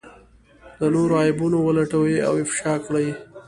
د نورو عيبونه ولټوي او افشا کړي.